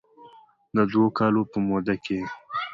د دوه کالو په موده کې یې